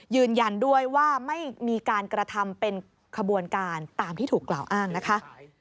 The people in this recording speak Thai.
ยืนยันด้วยว่าไม่มีการกระทำเป็นขบวนการตามที่ถูกกล่าวอ้างนะคะ